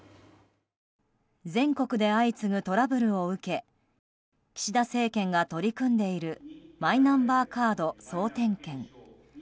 全国で相次ぐトラブルを受け岸田政権が取り組んでいるマイナンバーカード総点検。